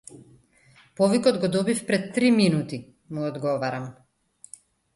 Повикот го добив пред три минути му одговарам.